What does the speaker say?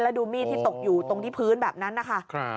แล้วดูมีดที่ตกอยู่ตรงที่พื้นแบบนั้นนะคะ